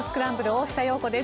大下容子です。